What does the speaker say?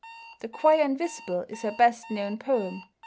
"The Choir Invisible" is her best known poem.